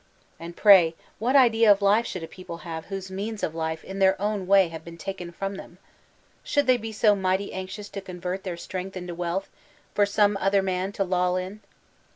And pray, what idea of life Aould a people have whose means of life in their own way have been taken from them? Sboukl they be so mighty ^H£ Mexican Revolution 261 anxious to convert their strength into wealth for some other man to loll in